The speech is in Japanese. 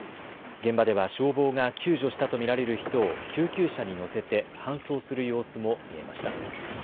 現場では消防が救助したと見られる人を救急車に乗せて搬送する様子も見えました。